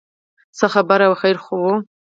څه خبره وه خیر خو و.